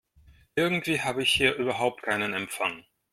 Irgendwie habe ich hier überhaupt keinen Empfang.